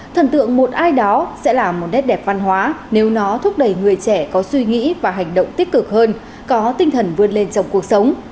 thần tượng một ai đó sẽ là một nét đẹp văn hóa nếu nó thúc đẩy người trẻ có suy nghĩ và hành động tích cực hơn có tinh thần vươn lên trong cuộc sống